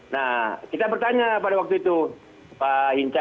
nah kita bertanya pada waktu itu pak hinca